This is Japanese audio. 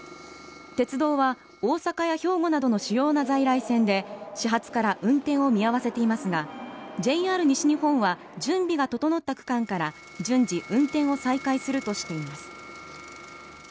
鉄道は大阪や兵庫などの主要な在来線で始発から運転を見合わせていますがＪＲ西日本は準備が整った区間から順次運転を再開するとしています。